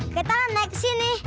kita kan naik kesini